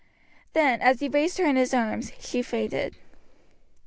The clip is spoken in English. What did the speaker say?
Then, as he raised her in his arms, she fainted.